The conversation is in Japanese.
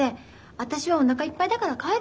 私はおなかいっぱいだから帰る。